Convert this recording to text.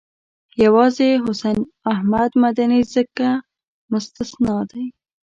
یوازې حسین احمد مدني ځکه مستثنی دی.